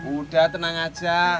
udah tenang aja